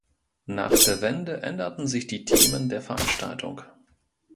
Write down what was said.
Nach der Wende änderten sich die Themen der Veranstaltung.